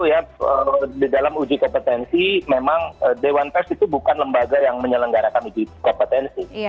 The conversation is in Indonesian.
ya di dalam uji kompetensi memang dewan pers itu bukan lembaga yang menyelenggarakan uji kompetensi